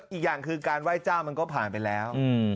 อีกอย่างคือการไหว้เจ้ามันก็ผ่านไปแล้ว